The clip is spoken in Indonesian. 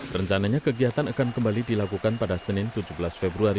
rencananya kegiatan akan kembali dilakukan pada senin tujuh belas februari dua ribu dua puluh